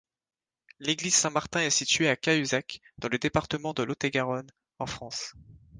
L'église Saint-Martin est située à Cahuzac, dans le département de Lot-et-Garonne, en France.